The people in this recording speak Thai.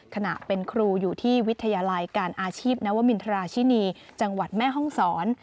ขณะเป็นครูอยู่ที่วิทยาลัยการอาชีพนวมินทราชินีจังหวัดแม่ห้องศร